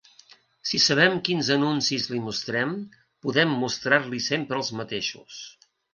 Si sabem quins anuncis li mostrem, podem mostrar-li sempre els mateixos.